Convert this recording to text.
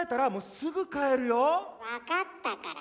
分かったから。